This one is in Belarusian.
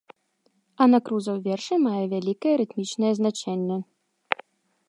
Анакруза ў вершы мае вялікае рытмічнае значэнне.